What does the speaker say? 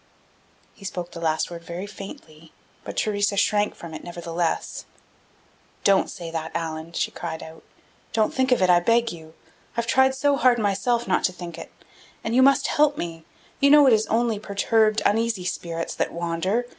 He spoke the last word very faintly, but Theresa shrank from it nevertheless. "Don't say that, Allan!" she cried out. "Don't think it, I beg of you! I've tried so hard myself not to think it and you must help me. You know it is only perturbed, uneasy spirits that wander.